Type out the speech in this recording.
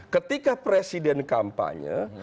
ketika presiden kampanye